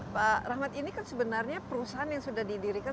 pak rahmat ini kan sebenarnya perusahaan yang sudah didirikan